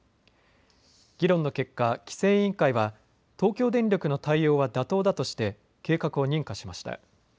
議論の結果、規制委員会は東京電力の対応は妥当だとして計画を認可しました。